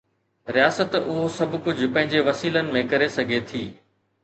رياست اهو سڀ ڪجهه پنهنجي وسيلن ۾ ڪري سگهي ٿي.